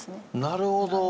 なるほど。